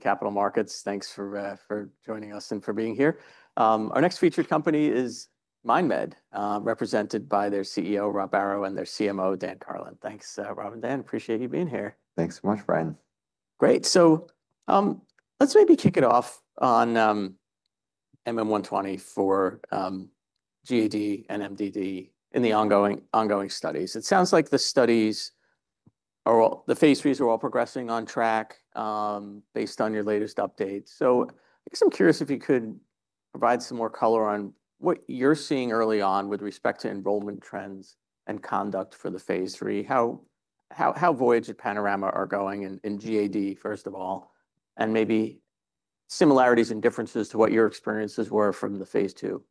Capital Markets. Thanks for joining us and for being here. Our next featured company is MindMed, represented by their CEO, Rob Barrow, and their CMO, Dan Karlin. Thanks, Rob and Dan. Appreciate you being here. Thanks so much, Brandi. Great. Let's maybe kick it off on MM120 for GAD and MDD in the ongoing studies. It sounds like the studies are all, the phase 3s are all progressing on track based on your latest updates. I guess I'm curious if you could provide some more color on what you're seeing early on with respect to enrollment trends and conduct for the phase 3, how Voyage and Panorama are going in GAD, first of all, and maybe similarities and differences to what your experiences were from the phase 2.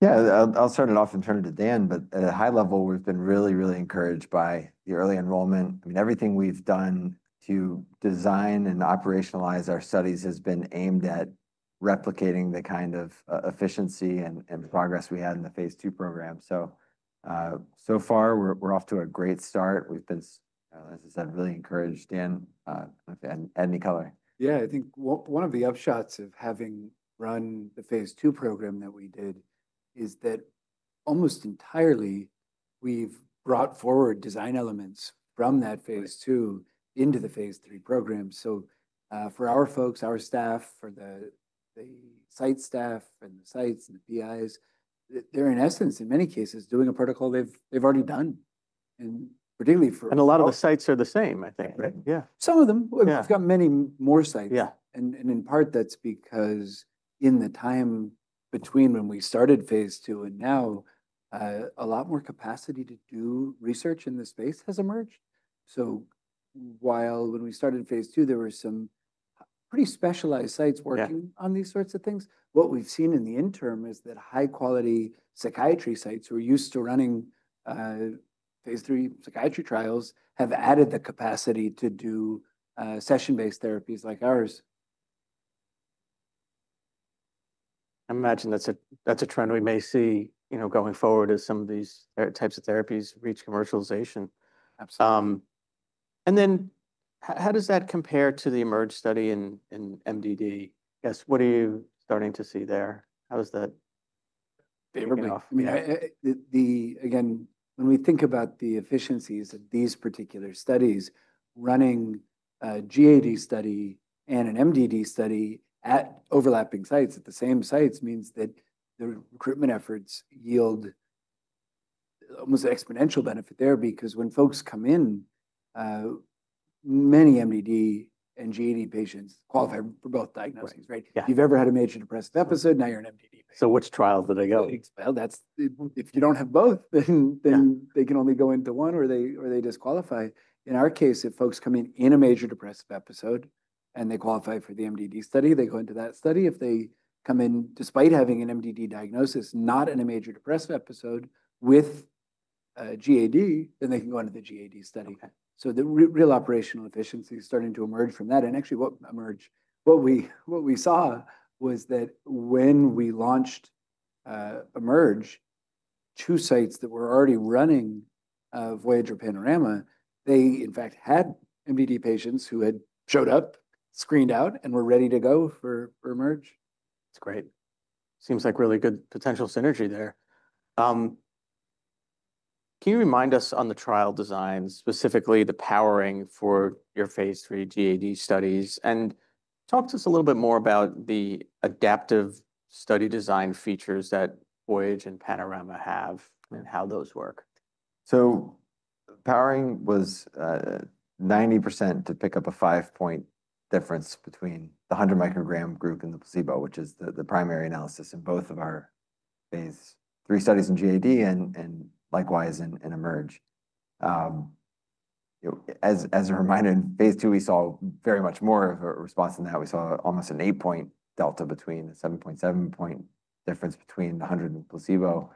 Yeah, I'll start it off and turn it to Dan, but at a high level, we've been really, really encouraged by the early enrollment. I mean, everything we've done to design and operationalize our studies has been aimed at replicating the kind of efficiency and progress we had in the phase 2 program. So far, we're off to a great start. We've been, as I said, really encouraged. Dan, add any color. Yeah, I think one of the upshots of having run the phase 2 program that we did is that almost entirely we've brought forward design elements from that phase 2 into the phase 3 program. For our folks, our staff, for the site staff and the sites and the PIs, they're in essence, in many cases, doing a protocol they've already done. Particularly for. A lot of the sites are the same, I think. Yeah, some of them. We've got many more sites. In part, that's because in the time between when we started phase 2 and now, a lot more capacity to do research in the space has emerged. While when we started phase 2, there were some pretty specialized sites working on these sorts of things, what we've seen in the interim is that high-quality psychiatry sites who are used to running phase 3 psychiatry trials have added the capacity to do session-based therapies like ours. I imagine that's a trend we may see going forward as some of these types of therapies reach commercialization. How does that compare to the Emerge study in MDD? Guess what are you starting to see there? How does that? I mean, again, when we think about the efficiencies of these particular studies, running a GAD study and an MDD study at overlapping sites at the same sites means that the recruitment efforts yield almost exponential benefit there because when folks come in, many MDD and GAD patients qualify for both diagnoses, right? If you've ever had a major depressive episode, now you're an MDD patient. Which trial did I go? If you don't have both, then they can only go into one or they disqualify. In our case, if folks come in in a major depressive episode and they qualify for the MDD study, they go into that study. If they come in despite having an MDD diagnosis, not in a major depressive episode with GAD, then they can go into the GAD study. The real operational efficiency is starting to emerge from that. Actually, what emerged, what we saw was that when we launched Emerge, two sites that were already running Voyage or Panorama, they in fact had MDD patients who had showed up, screened out, and were ready to go for Emerge. That's great. Seems like really good potential synergy there. Can you remind us on the trial design, specifically the powering for your phase 3 GAD studies, and talk to us a little bit more about the adaptive study design features that Voyage and Panorama have and how those work? Powering was 90% to pick up a 5-point difference between the 100 microgram group and the placebo, which is the primary analysis in both of our phase 3 studies in GAD and likewise in Emerge. As a reminder, in phase 2, we saw very much more of a response than that. We saw almost an eight-point delta between a 7.7-point difference between 100 and placebo.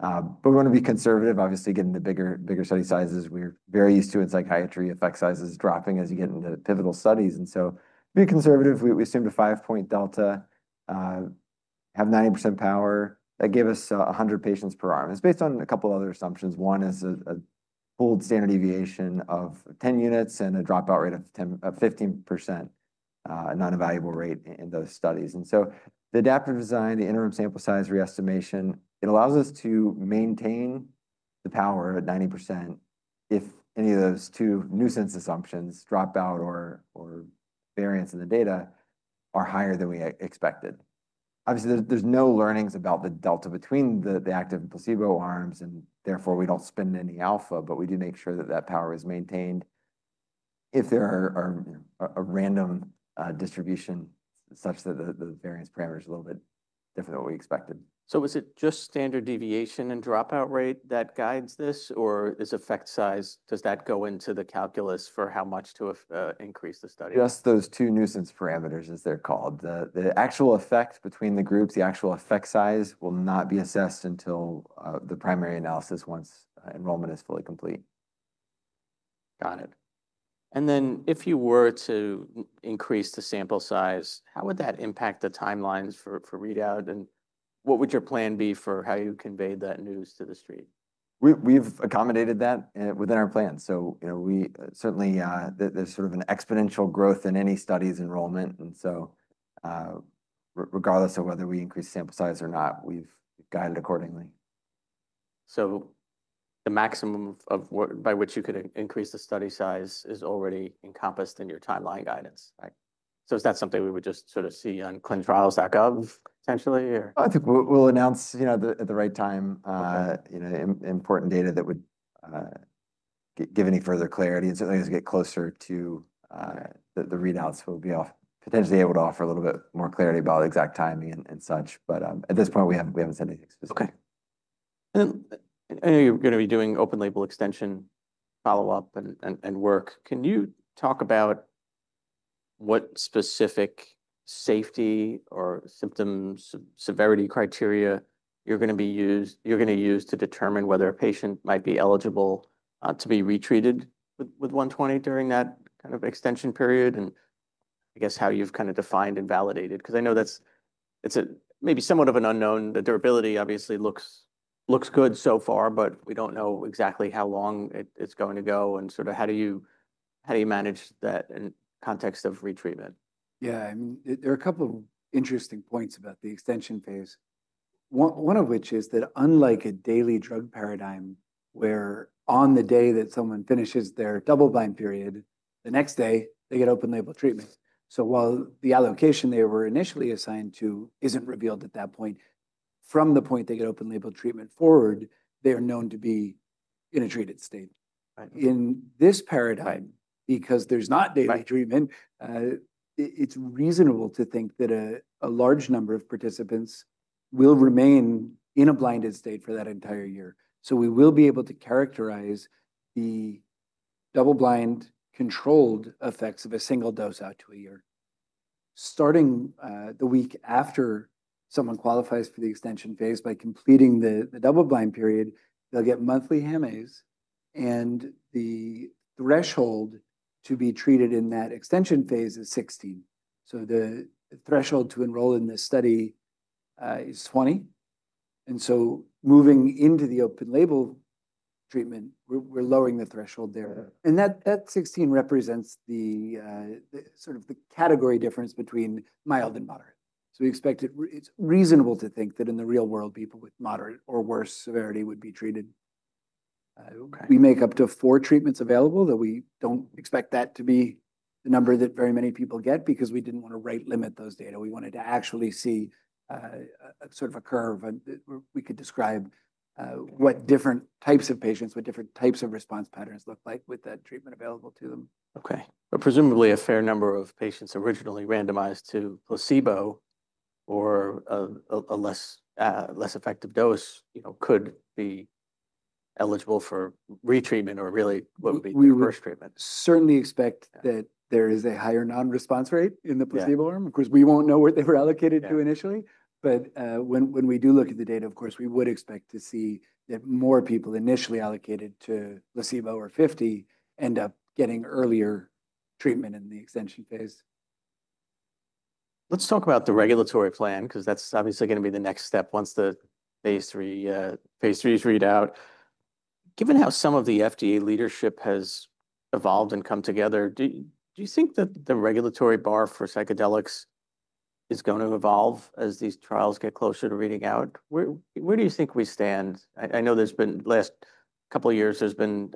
We want to be conservative, obviously, getting the bigger study sizes. We are very used to in psychiatry, effect sizes dropping as you get into pivotal studies. To be conservative, we assumed a 5-point delta, have 90% power. That gave us 100 patients per arm. It is based on a couple of other assumptions. One is a pooled standard deviation of 10 units and a dropout rate of 15%, a non-available rate in those studies. The adaptive design, the interim sample size re-estimation, it allows us to maintain the power at 90% if any of those 2 nuisance assumptions, dropout or variance in the data, are higher than we expected. Obviously, there's no learnings about the delta between the active and placebo arms, and therefore we do not spend any alpha, but we do make sure that that power is maintained if there are a random distribution such that the variance parameter is a little bit different than what we expected. Was it just standard deviation and dropout rate that guides this, or is effect size, does that go into the calculus for how much to increase the study? Just those 2 nuisance parameters, as they're called. The actual effect between the groups, the actual effect size will not be assessed until the primary analysis once enrollment is fully complete. Got it. If you were to increase the sample size, how would that impact the timelines for readout? What would your plan be for how you conveyed that news to the street? We've accommodated that within our plan. Certainly there's sort of an exponential growth in any study's enrollment. Regardless of whether we increase sample size or not, we've guided accordingly. The maximum by which you could increase the study size is already encompassed in your timeline guidance. Is that something we would just sort of see on ClinicalTrials.gov potentially? I think we'll announce at the right time important data that would give any further clarity. Certainly as we get closer to the readouts, we'll be potentially able to offer a little bit more clarity about exact timing and such. At this point, we haven't said anything specific. Okay. I know you're going to be doing open label extension follow-up and work. Can you talk about what specific safety or symptom severity criteria you're going to use to determine whether a patient might be eligible to be retreated with 120 during that kind of extension period? I guess how you've kind of defined and validated, because I know that's maybe somewhat of an unknown. The durability obviously looks good so far, but we don't know exactly how long it's going to go. Sort of how do you manage that in context of retreatment? Yeah, I mean, there are a couple of interesting points about the extension phase. One of which is that unlike a daily drug paradigm where on the day that someone finishes their double-blind period, the next day they get open label treatment. While the allocation they were initially assigned to isn't revealed at that point, from the point they get open label treatment forward, they are known to be in a treated state. In this paradigm, because there's not daily treatment, it's reasonable to think that a large number of participants will remain in a blinded state for that entire year. We will be able to characterize the double-blind controlled effects of a single dose out to a year. Starting the week after someone qualifies for the extension phase by completing the double-blind period, they'll get monthly HAM-A assessments. The threshold to be treated in that extension phase is 16. The threshold to enroll in this study is 20. Moving into the open label treatment, we're lowering the threshold there. That 16 represents sort of the category difference between mild and moderate. We expect it's reasonable to think that in the real world, people with moderate or worse severity would be treated. We make up to four treatments available, though we don't expect that to be the number that very many people get because we didn't want to rate limit those data. We wanted to actually see sort of a curve where we could describe what different types of patients, what different types of response patterns look like with that treatment available to them. Okay. Presumably a fair number of patients originally randomized to placebo or a less effective dose could be eligible for retreatment or really what would be reverse treatment. We certainly expect that there is a higher non-response rate in the placebo arm. Of course, we won't know what they were allocated to initially. Of course, when we do look at the data, we would expect to see that more people initially allocated to placebo or 50 end up getting earlier treatment in the extension phase. Let's talk about the regulatory plan, because that's obviously going to be the next step once the phase 3 is read out. Given how some of the FDA leadership has evolved and come together, do you think that the regulatory bar for psychedelics is going to evolve as these trials get closer to reading out? Where do you think we stand? I know there's been last couple of years, there's been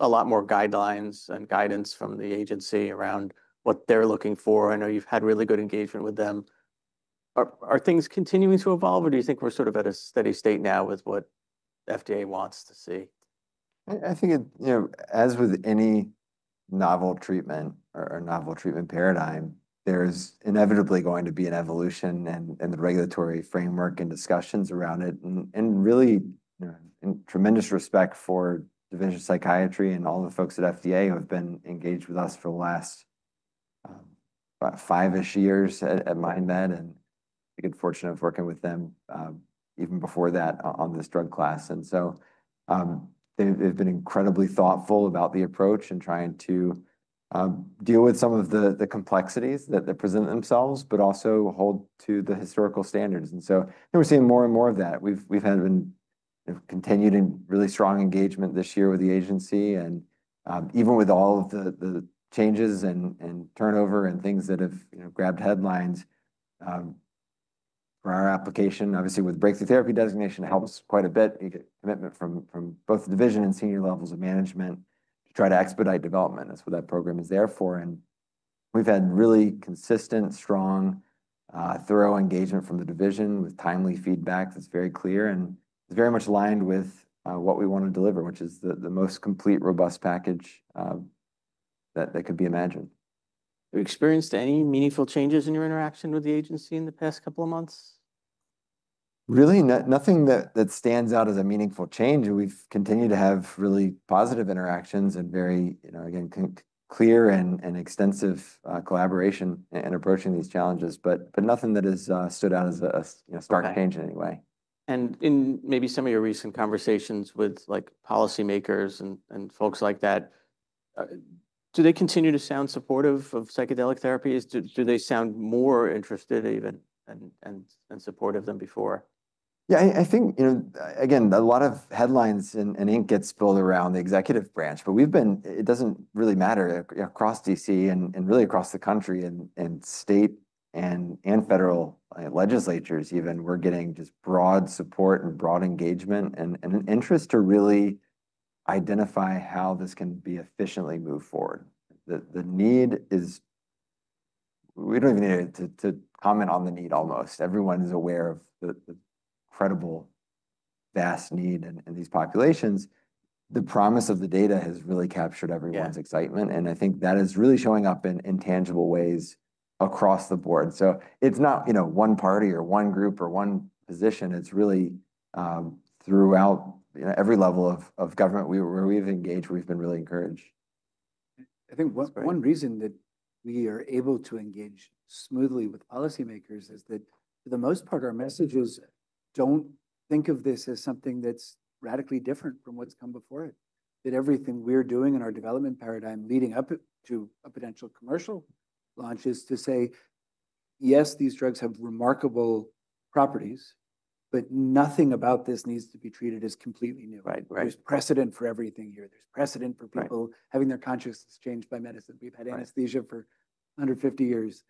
a lot more guidelines and guidance from the agency around what they're looking for. I know you've had really good engagement with them. Are things continuing to evolve, or do you think we're sort of at a steady state now with what the FDA wants to see? I think as with any novel treatment or novel treatment paradigm, there's inevitably going to be an evolution in the regulatory framework and discussions around it. I really, in tremendous respect for the division of psychiatry and all the folks at FDA who have been engaged with us for the last five-ish years at MindMed and the good fortune of working with them even before that on this drug class. They've been incredibly thoughtful about the approach and trying to deal with some of the complexities that present themselves, but also hold to the historical standards. We're seeing more and more of that. We've had continued and really strong engagement this year with the agency. Even with all of the changes and turnover and things that have grabbed headlines for our application, obviously with Breakthrough Therapy Designation, it helps quite a bit. You get commitment from both the division and senior levels of management to try to expedite development. That's what that program is there for. We've had really consistent, strong, thorough engagement from the division with timely feedback that's very clear and is very much aligned with what we want to deliver, which is the most complete, robust package that could be imagined. Have you experienced any meaningful changes in your interaction with the agency in the past couple of months? Really nothing that stands out as a meaningful change. We've continued to have really positive interactions and very, again, clear and extensive collaboration in approaching these challenges, but nothing that has stood out as a stark change in any way. In maybe some of your recent conversations with policymakers and folks like that, do they continue to sound supportive of psychedelic therapies? Do they sound more interested even and supportive than before? Yeah, I think, again, a lot of headlines and ink gets spilled around the executive branch, but we've been, it doesn't really matter across DC and really across the country and state and federal legislatures even, we're getting just broad support and broad engagement and an interest to really identify how this can be efficiently moved forward. The need is, we don't even need to comment on the need almost. Everyone is aware of the credible vast need in these populations. The promise of the data has really captured everyone's excitement. I think that is really showing up in intangible ways across the board. It's not one party or one group or one position. It's really throughout every level of government where we've engaged, we've been really encouraged. I think one reason that we are able to engage smoothly with policymakers is that for the most part, our message is don't think of this as something that's radically different from what's come before it. That everything we're doing in our development paradigm leading up to a potential commercial launch is to say, yes, these drugs have remarkable properties, but nothing about this needs to be treated as completely new. There's precedent for everything here. There's precedent for people having their consciousness changed by medicine. We've had anesthesia for 150 years.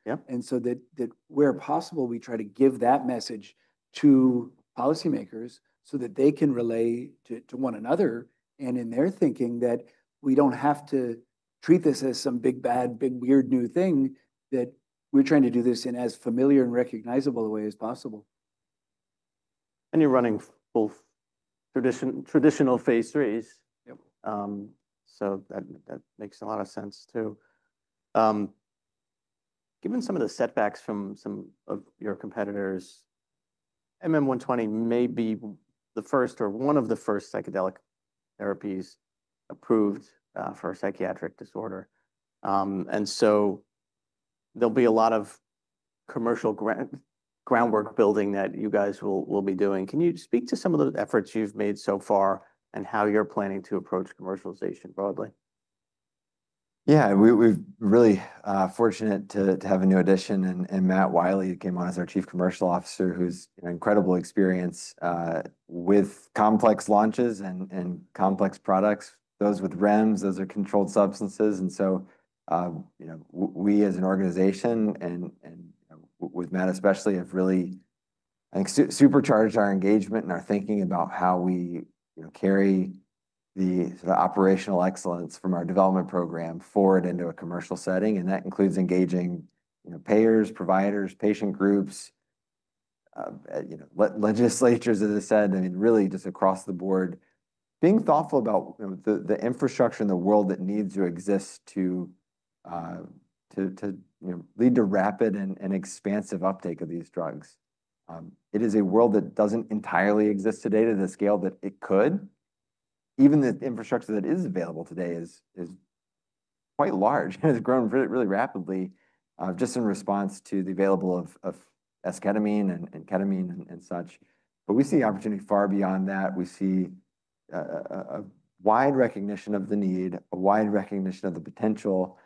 Where possible, we try to give that message to policymakers so that they can relay to one another and in their thinking that we don't have to treat this as some big, bad, big, weird new thing, that we're trying to do this in as familiar and recognizable a way as possible. You're running both traditional phase 3s. That makes a lot of sense too. Given some of the setbacks from some of your competitors, MM120 may be the 1st or one of the 1st psychedelic therapies approved for a psychiatric disorder. There will be a lot of commercial groundwork building that you guys will be doing. Can you speak to some of the efforts you've made so far and how you're planning to approach commercialization broadly? Yeah, we're really fortunate to have a new addition. Matt Wiley came on as our Chief Commercial Officer, who's incredible experience with complex launches and complex products. Those with REMS, those are controlled substances. We as an organization and with Matt especially have really, I think, supercharged our engagement and our thinking about how we carry the operational excellence from our development program forward into a commercial setting. That includes engaging payers, providers, patient groups, legislatures, as I said, I mean, really just across the board, being thoughtful about the infrastructure and the world that needs to exist to lead to rapid and expansive uptake of these drugs. It is a world that doesn't entirely exist today to the scale that it could. Even the infrastructure that is available today is quite large and has grown really rapidly just in response to the availability of esketamine and ketamine and such. We see opportunity far beyond that. We see a wide recognition of the need, a wide recognition of the potential,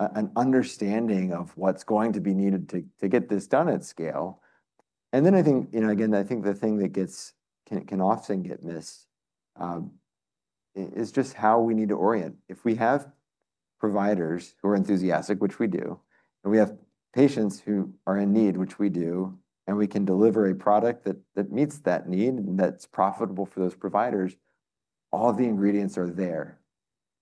an understanding of what's going to be needed to get this done at scale. I think, again, I think the thing that can often get missed is just how we need to orient. If we have providers who are enthusiastic, which we do, and we have patients who are in need, which we do, and we can deliver a product that meets that need and that's profitable for those providers, all the ingredients are there.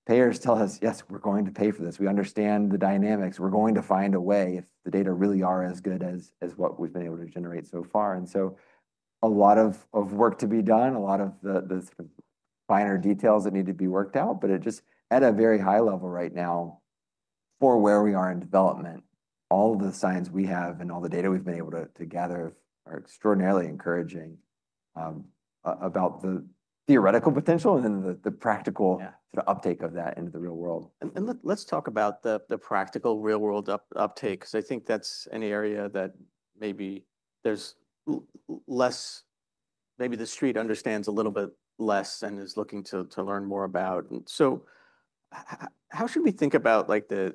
Payers tell us, yes, we're going to pay for this. We understand the dynamics. We're going to find a way if the data really are as good as what we've been able to generate so far. A lot of work to be done, a lot of the finer details that need to be worked out, but just at a very high level right now for where we are in development, all the signs we have and all the data we've been able to gather are extraordinarily encouraging about the theoretical potential and then the practical uptake of that into the real world. Let's talk about the practical real world uptake, because I think that's an area that maybe there's less, maybe the street understands a little bit less and is looking to learn more about. How should we think about the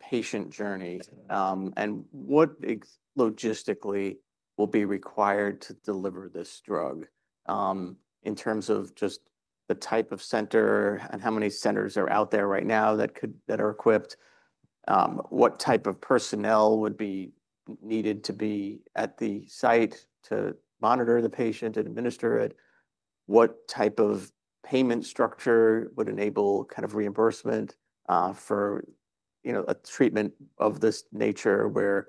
patient journey and what logistically will be required to deliver this drug in terms of just the type of center and how many centers are out there right now that are equipped? What type of personnel would be needed to be at the site to monitor the patient and administer it? What type of payment structure would enable kind of reimbursement for a treatment of this nature where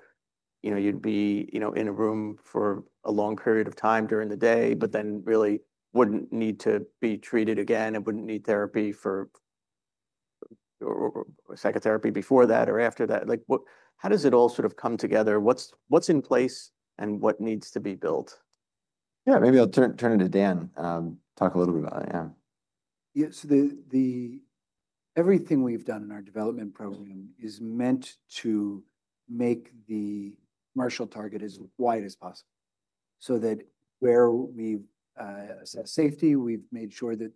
you'd be in a room for a long period of time during the day, but then really wouldn't need to be treated again and wouldn't need therapy for psychotherapy before that or after that? How does it all sort of come together? What's in place and what needs to be built? Yeah, maybe I'll turn it to Dan and talk a little bit about it. Yeah. Yeah, so everything we've done in our development program is meant to make the commercial target as wide as possible so that where we've assessed safety, we've made sure that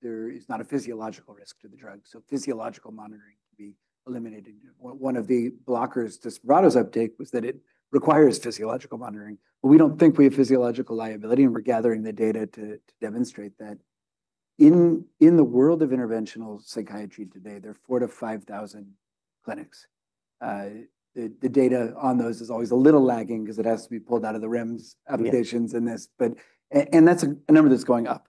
there is not a physiological risk to the drug. So physiological monitoring can be eliminated. One of the blockers to Spravato's uptake was that it requires physiological monitoring. We don't think we have physiological liability, and we're gathering the data to demonstrate that. In the world of interventional psychiatry today, there are 4,000 to 5,000 clinics. The data on those is always a little lagging because it has to be pulled out of the REMS applications in this. That's a number that's going up.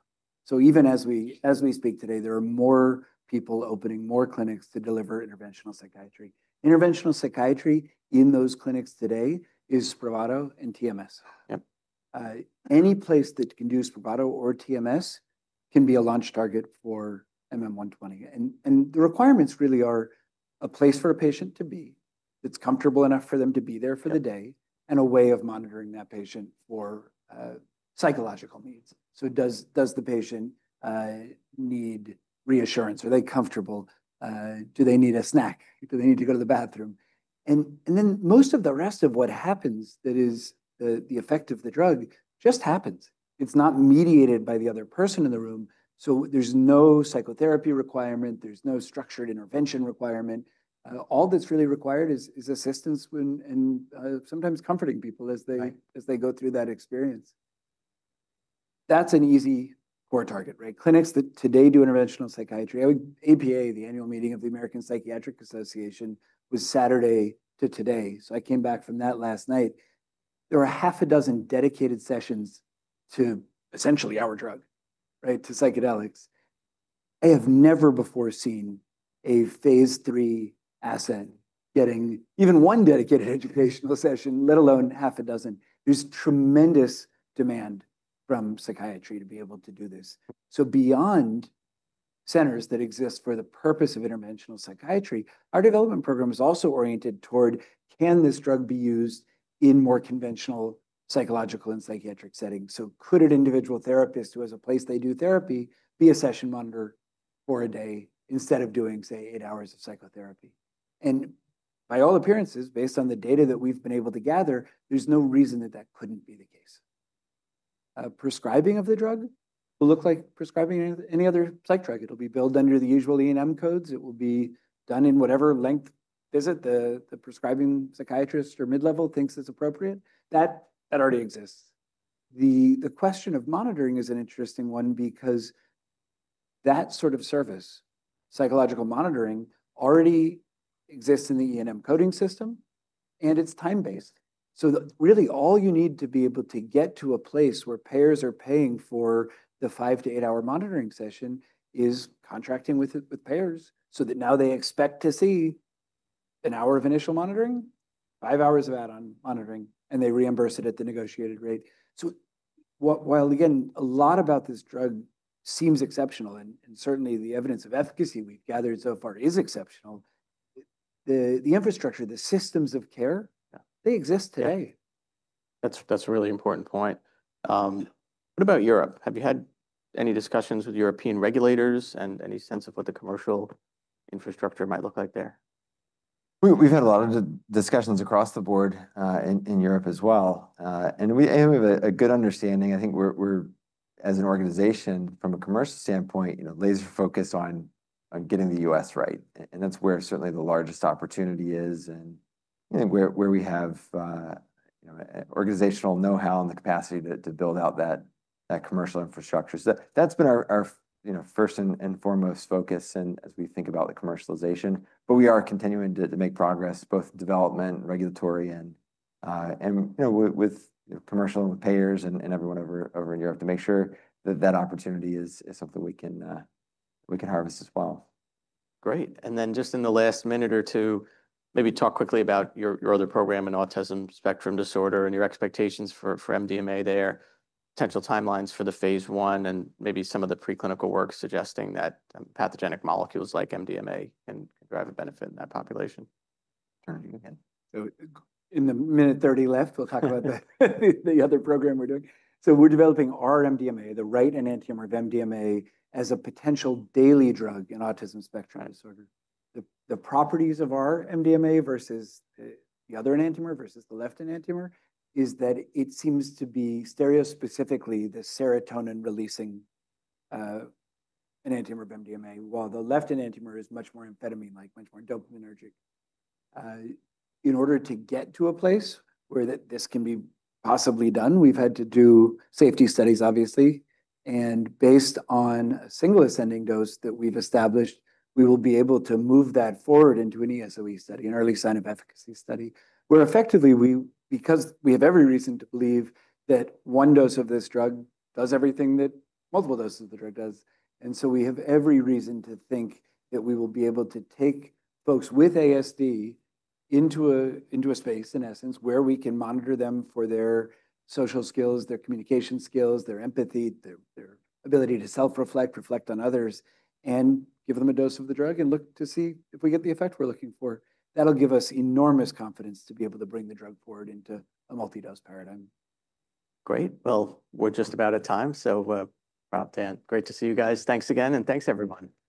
Even as we speak today, there are more people opening more clinics to deliver interventional psychiatry. Interventional psychiatry in those clinics today is Spravato and TMS. Any place that can do Spravato or TMS can be a launch target for MM120. The requirements really are a place for a patient to be that's comfortable enough for them to be there for the day and a way of monitoring that patient for psychological needs. Does the patient need reassurance? Are they comfortable? Do they need a snack? Do they need to go to the bathroom? Most of the rest of what happens, that is the effect of the drug, just happens. It's not mediated by the other person in the room. There's no psychotherapy requirement. There's no structured intervention requirement. All that's really required is assistance and sometimes comforting people as they go through that experience. That's an easy core target, right? Clinics that today do interventional psychiatry, APA, the annual meeting of the American Psychiatric Association was Saturday to today. I came back from that last night. There were half a dozen dedicated sessions to essentially our drug, to psychedelics. I have never before seen a phase 3 asset getting even 1 dedicated educational session, let alone half a dozen. There is tremendous demand from psychiatry to be able to do this. Beyond centers that exist for the purpose of interventional psychiatry, our development program is also oriented toward can this drug be used in more conventional psychological and psychiatric settings? Could an individual therapist who has a place they do therapy be a session monitor for a day instead of doing, say, 8 hours of psychotherapy? By all appearances, based on the data that we have been able to gather, there is no reason that that could not be the case. Prescribing of the drug will look like prescribing any other psych drug. It'll be billed under the usual E&M codes. It will be done in whatever length visit the prescribing psychiatrist or mid-level thinks is appropriate. That already exists. The question of monitoring is an interesting one because that sort of service, psychological monitoring, already exists in the E&M coding system and it's time-based. Really all you need to be able to get to a place where payers are paying for the five to eight-hour monitoring session is contracting with payers so that now they expect to see an hour of initial monitoring, 5 hours of add-on monitoring, and they reimburse it at the negotiated rate. While, again, a lot about this drug seems exceptional and certainly the evidence of efficacy we've gathered so far is exceptional, the infrastructure, the systems of care, they exist today. That's a really important point. What about Europe? Have you had any discussions with European regulators and any sense of what the commercial infrastructure might look like there? We've had a lot of discussions across the board in Europe as well. We have a good understanding. I think we're, as an organization, from a commercial standpoint, laser-focused on getting the U.S. right. That's where certainly the largest opportunity is and where we have organizational know-how and the capacity to build out that commercial infrastructure. That's been our first and foremost focus as we think about the commercialization. We are continuing to make progress, both development, regulatory, and with commercial payers and everyone over in Europe to make sure that that opportunity is something we can harvest as well. Great. In the last minute or 2, maybe talk quickly about your other program in autism spectrum disorder and your expectations for MDMA there, potential timelines for the phase one and maybe some of the preclinical work suggesting that pathogenic molecules like MDMA can drive a benefit in that population. Turn to you again. In the minute 30 left, we'll talk about the other program we're doing. We're developing our MDMA, the right enantiomer of MDMA as a potential daily drug in autism spectrum disorder. The properties of our MDMA versus the other enantiomer, versus the left enantiomer, is that it seems to be stereo-specifically the serotonin-releasing enantiomer of MDMA, while the left enantiomer is much more amphetamine-like, much more dopaminergic. In order to get to a place where this can be possibly done, we've had to do safety studies, obviously. Based on a single ascending dose that we've established, we will be able to move that forward into an ESOE study, an early sign of efficacy study, where effectively we have every reason to believe that 1 dose of this drug does everything that multiple doses of the drug does. We have every reason to think that we will be able to take folks with ASD into a space, in essence, where we can monitor them for their social skills, their communication skills, their empathy, their ability to self-reflect, reflect on others, and give them a dose of the drug and look to see if we get the effect we're looking for. That'll give us enormous confidence to be able to bring the drug forward into a multi-dose paradigm. Great. We're just about at time. Great to see you guys. Thanks again and thanks everyone. Thanks, Fran.